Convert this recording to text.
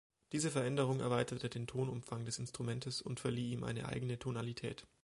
Diese Veränderung erweiterte den Tonumfang des Instrumentes und verlieh ihm eine eigene Tonalität.